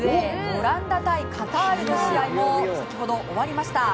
オランダ対カタールの試合が先ほど終わりました。